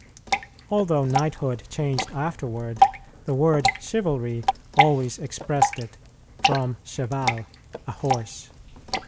Although knighthood changed afterward, the word "chivalry" always expressed it, from cheval, a horse.